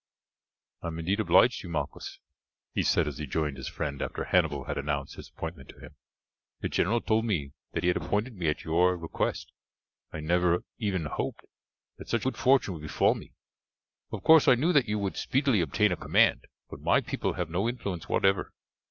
"I am indeed obliged to you, Malchus," he said as he joined his friend after Hannibal had announced his appointment to him. "The general told me that he had appointed me at your request. I never even hoped that such good fortune would befall me. Of course I knew that you would speedily obtain a command, but my people have no influence whatever.